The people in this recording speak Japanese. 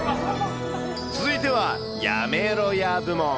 続いては、やめろやー部門。